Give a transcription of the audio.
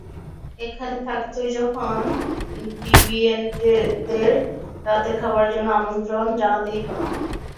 এখানে থাকছই যখন, ডিভিয়েন্টদের রাতের খাবারের জন্য আমন্ত্রণ জানাতেই পারো।